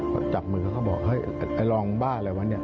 ก็จับมือเขาก็บอกเฮ้ยไอ้รองบ้าอะไรวะเนี่ย